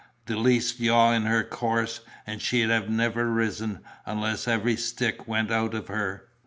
"The least yaw in her course, and she'd have never risen, unless every stick went out of her.